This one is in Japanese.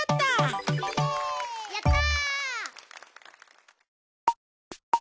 やった！